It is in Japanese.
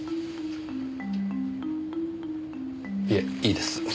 いえいいです。